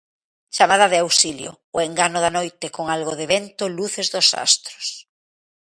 Chamada de auxilio: o engano da noite, con algo de vento, luces dos astros.